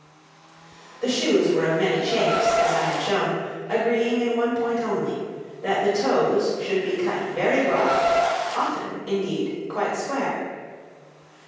}] The shoes were of many shapes, as I have shown, agreeing in one point only that the toes should be cut very broad, often, indeed, quite square.